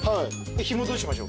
ひもどうしましょうか。